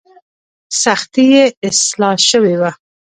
سختي یې اصلاح شوې وه.